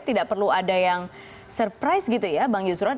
tidak perlu ada yang surprise gitu ya bang yusran